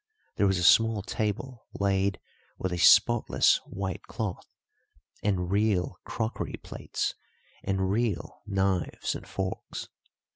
There was a small table laid with a spotless white cloth, and real crockery plates and real knives and forks.